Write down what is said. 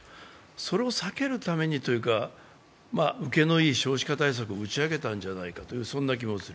それを避けるためにというか受けのいい少子化対策を打ち上げたんじゃないか、そういう気がする。